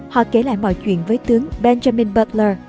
họ kể lại mọi chuyện với tướng benjamin butler